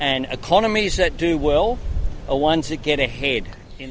dan ekonomi yang berjalan baik adalah yang berjalan depan